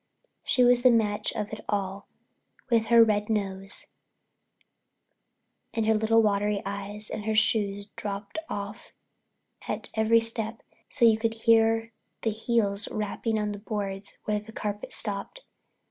She was the match of it all, with her red nose and her little watery eyes and her shoes dropping off at every step so you could hear the heels rapping on the boards where the carpet stopped.